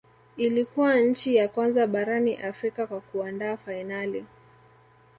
Ilikuwa nchi ya kwanza barani Afrika kwa kuandaa fainali